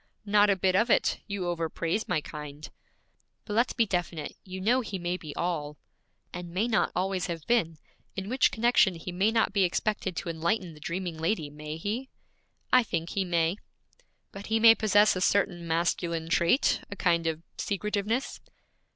'Not a bit of it; you overpraise my kind.' 'But let's be definite you know he may be all ' 'And may not always have been; in which connection he may not be expected to enlighten the dreaming lady, may he?' 'I think he may.' 'But he may possess a certain masculine trait, a kind of secretiveness.'